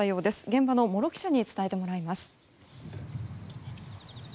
現場の茂呂記者に伝えてもらいます。